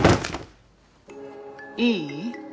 いい？